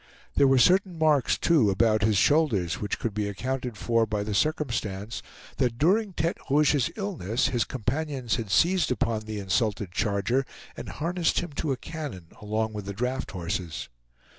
There were certain marks too about his shoulders, which could be accounted for by the circumstance, that during Tete Rouge's illness, his companions had seized upon the insulted charger, and harnessed him to a cannon along with the draft horses.